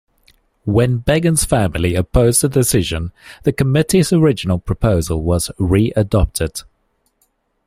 When Begin's family opposed the decision, the committee's original proposal was readopted.